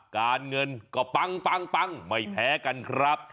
การเงินก็ปังไม่แพ้กันครับ